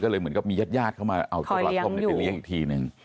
ก็เลยเหมือนกับมีญาติญาติเข้ามาเอาตัวปลาส้มไปเลี้ยงอีกทีหนึ่ง